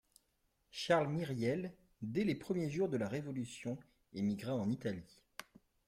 Charles Myriel, dès les premiers jours de la révolution, émigra en Italie